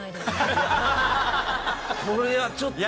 これはちょっと。